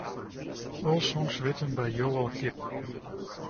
All songs written by Joel Gibb.